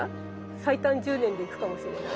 最短１０年でいくかもしれない。